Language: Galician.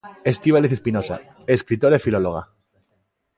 Estíbaliz Espinosa: escritora e filóloga.